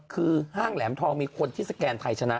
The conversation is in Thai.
คือห้างแหลมทองมีคนที่สแกนไทยชนะ